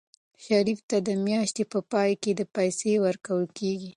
شریف ته د میاشتې په پای کې پیسې ورکول کېږي.